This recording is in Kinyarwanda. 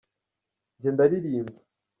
njye ndaririmba.